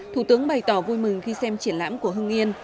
thủ tướng bày tỏ vui mừng khi xem triển lãm của hưng yên